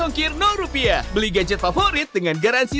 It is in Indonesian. ongkir rp beli gadget favorit dengan garansi